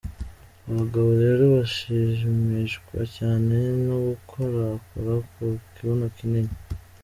Abagabo rero bashimishwa cyane no gukorakora ku kibuno kinini.